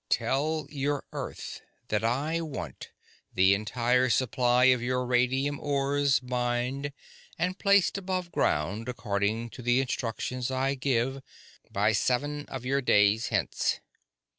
"Tell your Earth that I want the entire supply of your radium ores mined and placed above ground according to the instructions I give, by seven of your days hence."